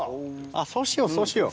そうしようそうしよう。